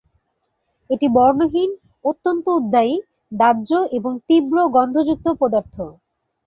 এটি বর্ণহীন, অত্যন্ত উদ্বায়ী, দাহ্য এবং তীব্র গন্ধযুক্ত পদার্থ।